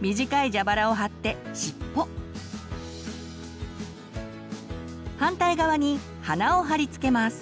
短いジャバラを貼って尻尾反対側に鼻を貼り付けます。